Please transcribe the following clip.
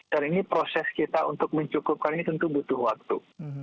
karena ini proses kita untuk mencukupkan ini tentu butuh waktu